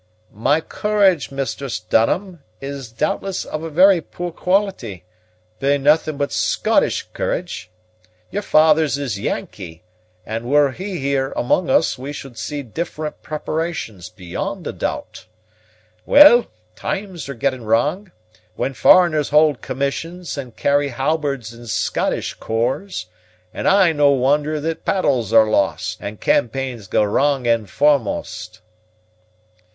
"My courage, Mistress Dunham, is doubtless of a very pool quality, being nothing but Scottish courage; your father's is Yankee, and were he here among us we should see different preparations, beyond a doubt. Well, times are getting wrang, when foreigners hold commissions and carry halberds in Scottish corps; and I no wonder that battles are lost, and campaigns go wrang end foremost."